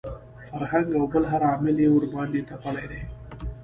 فرهنګ او بل هر عامل یې ورباندې تپلي دي.